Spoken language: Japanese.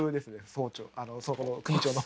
総長そこの組長の。